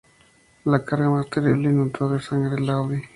La carga más terrible inundó de sangre el uadi.